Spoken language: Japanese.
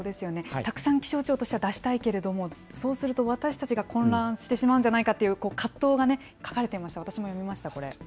たくさん気象庁としては出したいけれども、そうすると私たちが混乱してしまうんじゃないかという葛藤がね、書かれていました。